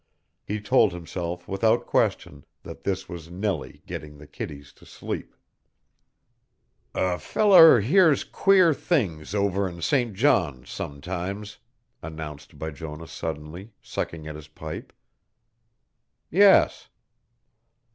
He told himself without question that this was Nellie getting the kiddies to sleep. "A feller hears queer things over in St. John's sometimes," announced Bijonah suddenly, sucking at his pipe. "Yes."